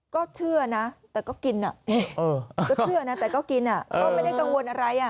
ก็เชื่อนะแต่ก็กินแต่ก็กินเขาไม่ได้กังวลอะไรอ่ะ